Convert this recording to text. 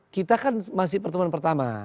kita kan masih pertemuan pertama